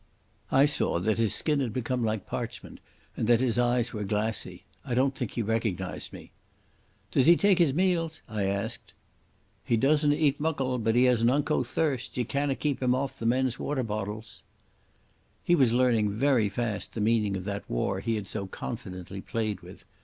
I saw that his skin had become like parchment and that his eyes were glassy. I don't think he recognised me. "Does he take his meals?" I asked. "He doesna eat muckle. But he has an unco thirst. Ye canna keep him off the men's water bottles." He was learning very fast the meaning of that war he had so confidently played with.